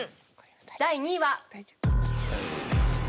第２位は。